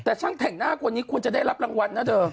แต่ช่างแต่งหน้าคนนี้ควรจะได้รับรางวัลนะเธอ